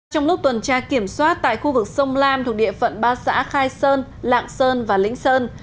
trong lúc tuần tra kiểm soát tại khu vực sông lam thuộc địa phận ba xã khai sơn lạng sơn và lĩnh sơn